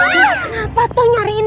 kenapa tuh nyariin